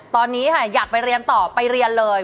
ตอนนี้ค่ะอยากไปเรียนต่อไปเรียนเลย